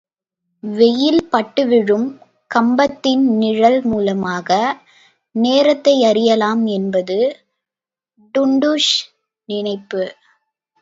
வெயில் பட்டு விழும் கம்பத்தின் நிழல் மூலமாக நேரத்தையறியலாம் என்பது டுன்டுஷ் நினைப்பு.